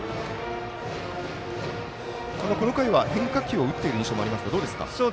この回は変化球を打っている印象もありますが、どうですか。